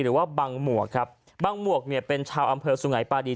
หรือว่าบังหมวกครับบังหมวกเนี่ยเป็นชาวอำเภอสุงัยปาดี